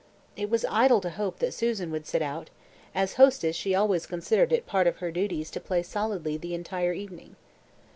It was idle to hope that Susan would sit out: as hostess she always considered it part of her duties to play solidly the entire evening.